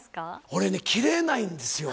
俺ね、キレないんですよ。